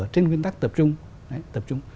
trên nguyên tắc tập trung